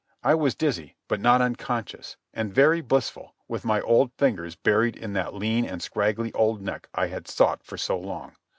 I was dizzy, but not unconscious, and very blissful with my old fingers buried in that lean and scraggly old neck I had sought for so long.